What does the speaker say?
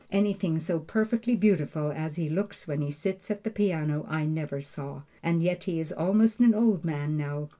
Anything so perfectly beautiful as he looks when he sits at the piano I never saw, and yet he is almost an old man now.